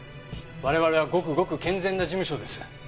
われわれはごくごく健全な事務所です。